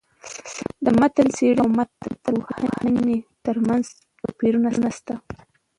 د متن څېړني او متن پوهني ترمنځ توپيرونه سته.